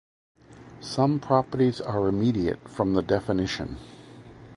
Some properties are immediate from the definition.